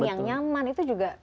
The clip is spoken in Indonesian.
yang nyaman itu juga